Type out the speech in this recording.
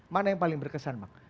mana yang paling berkesan